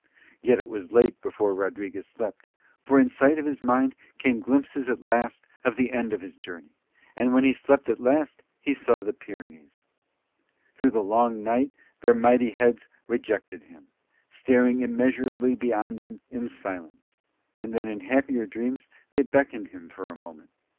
Yet it was late before Rodriguez slept, for in sight of his mind came glimpses at last of the end of his journey; and, when he slept at last, he saw the Pyrenees. Through the long night their mighty heads rejected him, staring immeasurably beyond him in silence, and then in happier dreams they beckoned him for a moment.